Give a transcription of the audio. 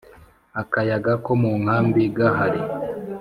akayaga ko munkambi gahari